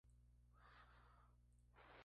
Canciones en Marathi.